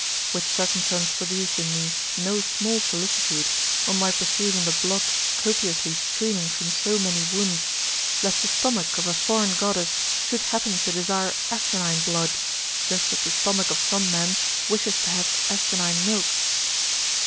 Which circumstance produced in me no small solicitude, on my perceiving the blood copiously streaming from so many wounds, lest the stomach of a foreign Goddess^^ should happen to desire asinine blood, just as the stomach of some men wishes to have asinine milk.